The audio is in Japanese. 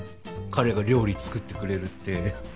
彼が料理作ってくれるって。